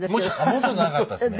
もうちょっと長かったですね。